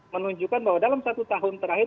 menunjukkan bahwa dalam satu tahun terakhir